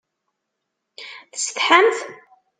Tsetḥamt?